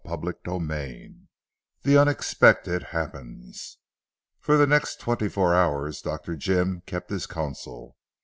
CHAPTER XXIII THE UNEXPECTED HAPPENS For the next twenty four hours, Dr. Jim kept his counsel.